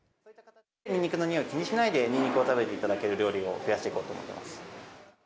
ニンニクの臭いを気にしないで、ニンニクを食べていただける料理を増やしていこうと思います。